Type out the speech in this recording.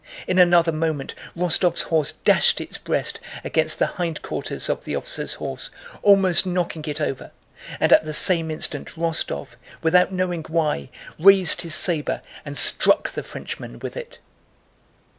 In another moment Rostóv's horse dashed its breast against the hindquarters of the officer's horse, almost knocking it over, and at the same instant Rostóv, without knowing why, raised his saber and struck the Frenchman with it.